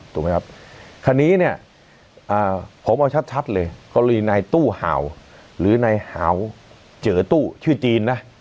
คราวนี้ผมเอาชัดเลยกรณีในตู้หาวหรือในหาวเจ๋อตู้ชื่อจีนนะ